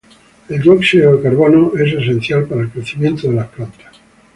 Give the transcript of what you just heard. El dióxido de carbono es esencial para el crecimiento de las plantas.